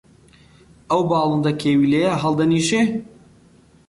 ئەو باڵندە کێویلەیە هەڵدەنیشێ؟